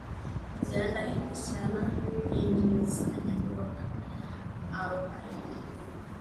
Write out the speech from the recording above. Uganda ilikusanya dola milioni harobaini